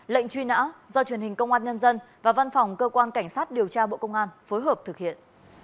lệnh truy nã do truyền hình công an nhân dân và văn phòng cơ quan cảnh sát điều tra bộ công an phối hợp thực hiện